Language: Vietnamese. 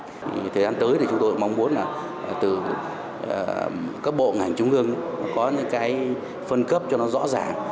thời gian tới thì chúng tôi cũng mong muốn là từ các bộ ngành trung ương có những cái phân cấp cho nó rõ ràng